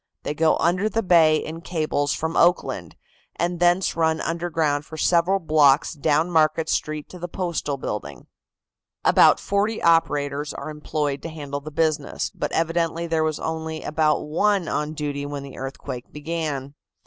They go under the bay in cables from Oakland, and thence run underground for several blocks down Market Street to the Postal building. About forty operators are employed to handle the business, but evidently there was only about one on duty when the earthquake began.